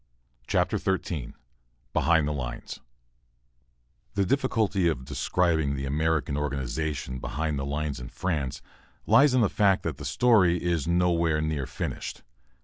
CHAPTER XIII BEHIND THE LINES The difficulty of describing the American organization behind the lines in France lies in the fact that the story is nowhere near finished.